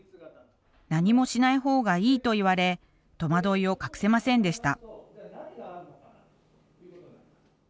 「何もしない方がいい」と言われとまどいを隠せませんでした。